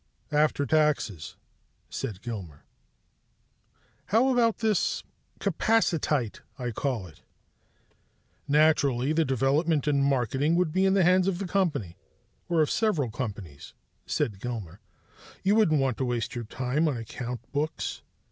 "After taxes," said Gilmer. "How about this capacitite, I call it?" "Naturally, development and marketing would be in the hands of the company, or of several companies," said Gilmer. "You wouldn't want to waste your time on account books.